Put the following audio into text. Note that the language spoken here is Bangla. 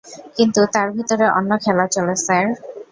কিন্তু তার ভিতরে অন্য খেলা চলে, স্যার।